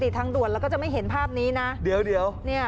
ทางด่วนแล้วก็ไม่เห็นภาพนี้นะเดี๋ยว